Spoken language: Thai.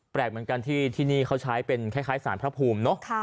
แปลกเหมือนกันที่ที่นี่เขาใช้เป็นคล้ายสากระภูมิเนาะค่ะ